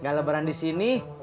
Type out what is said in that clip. nggak lebaran di sini